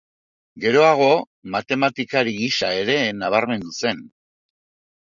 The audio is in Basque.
Geroago, matematikari gisa ere nabarmendu zen.